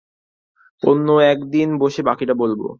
অন্য এক দিন এসে বাকিটা বলব।